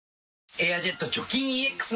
「エアジェット除菌ＥＸ」